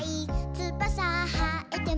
「つばさはえても」